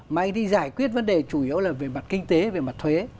mà anh đi giải quyết vấn đề chủ yếu là về mặt kinh tế về mặt thuế